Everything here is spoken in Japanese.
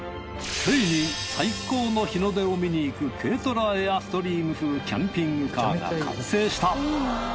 ついに最高の日の出を見に行く軽トラエアストリーム風キャンピングカーが完成した。